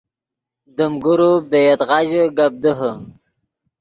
دیم گروپ دے یدغا ژے گپ دیہے